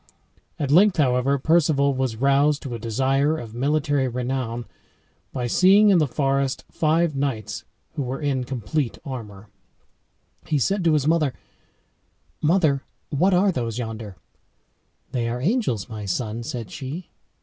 At length, however, Perceval was roused to a desire of military renown by seeing in the forest five knights who were in complete armor. He said to his mother, "Mother, what are those yonder?" "They are angels, my son," said she.